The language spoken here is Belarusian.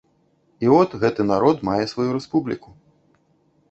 І от, гэты народ мае сваю рэспубліку.